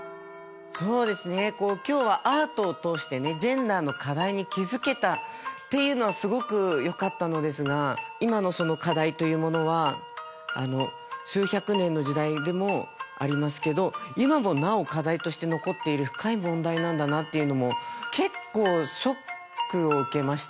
そうですね今日はアートを通してねジェンダーの課題に気づけたっていうのはすごくよかったのですが今のその課題というものは数百年の時代でもありますけど今もなお課題として残っている深い問題なんだなっていうのも結構ショックを受けました。